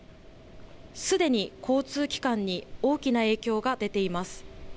すでに交通機関に大きな影響が出ています。